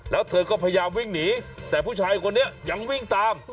แล้วเธอก็พยายามวิ่งหนีแต่ผู้ชายคนนี้ยังวิ่งตาม